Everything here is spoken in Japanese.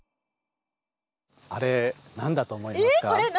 あれ何だと思いますか？